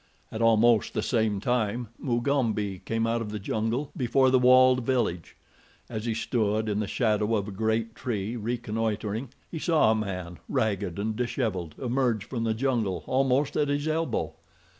At almost the same time Mugambi came out of the jungle before the walled village. As he stood in the shadow of a great tree, reconnoitering, he saw a man, ragged and disheveled, emerge from the jungle almost at his elbow.